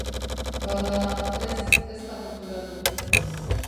Bada, ez, ez da konturatu.